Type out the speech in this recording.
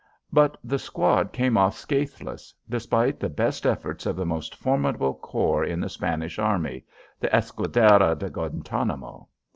But the squad came off scathless, despite the best efforts of the most formidable corps in the Spanish army the Escuadra de Guantanamo.